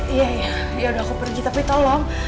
iya iya udah aku pergi tapi tolong